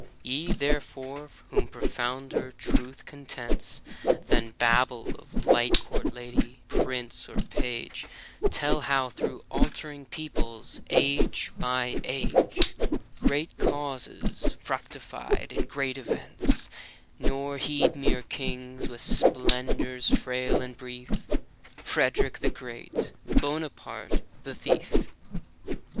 Ye, therefore, whom profounder truth contents Than babble of light court lady, prince or page, Tell how through altering peoples, age by age, Great causes fructified in great events, Nor heed mere kings, with splendors frail and brief, â Frederick the Greedy, Bonaparte the Thief